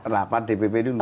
rapat dpp dulu